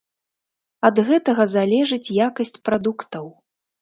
Ад гэтага залежыць якасць прадуктаў.